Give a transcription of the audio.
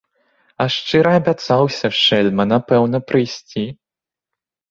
А шчыра абяцаўся, шэльма, напэўна прыйсці.